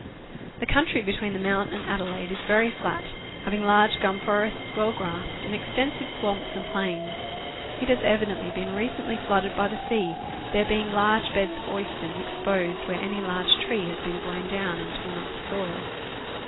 The country between the Mount .and Adelaide is very flat, having large gum forests, well grassed, and extensive swamps and plains. It has evidently been recently flooded by the sea, there being large beds of oysters exposed where any large tree has been blown down and torn up the soil.